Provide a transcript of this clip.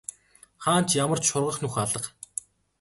Хаана ч ямар ч шургах нүх алга.